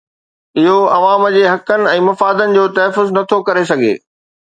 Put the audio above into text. اهو عوام جي حقن ۽ مفادن جو تحفظ نٿو ڪري سگهي